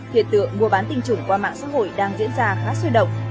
hiện tượng mua bán tinh trùng qua mạng xã hội đang diễn ra khá sôi động